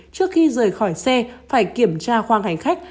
trước khi rời khỏi xe phải kiểm tra khoang hành khách